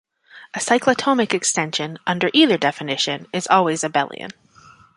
A cyclotomic extension, under either definition, is always abelian.